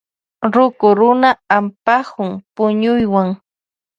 Ruku runa ampakun puñuywan.